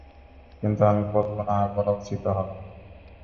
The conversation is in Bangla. কিন্তু আমি বলব না, আর বলা উচিতও হবে না।